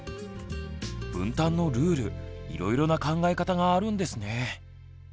分担のルールいろいろな考え方があるんですね。